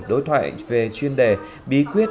đối thoại về chuyên đề bí quyết